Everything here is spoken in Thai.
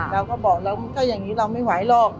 เราก็บอกแล้วถ้าอย่างนี้เราไม่ไหวหรอก